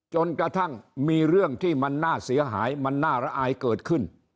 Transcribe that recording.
จนกระทั่งมีเรื่องที่มันน่าเสียหายมันน่าระอายเกิดขึ้น